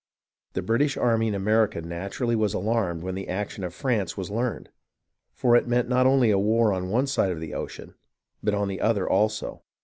The British army in America naturally was alarmed when the action of France was learned, for it meant not only a war on one side of the ocean, but on the other also.